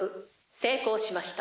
成功しました」。